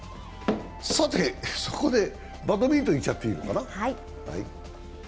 そこでバドミントンいっちゃっていいのかな。